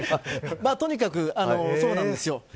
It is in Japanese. とにかく、そうなんです。